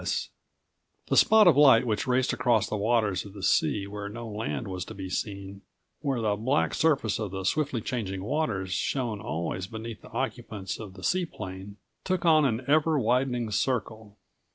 S. The spot of light which raced across the waters of the sea where no land was to be seen, where the black surface of the swiftly changing waters shone always beneath the occupants of the seaplane, took on an ever widening circle.